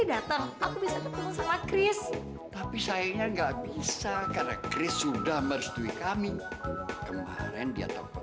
dan gak nyuruh kris untuk ketemu sama aku